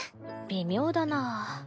微妙だな。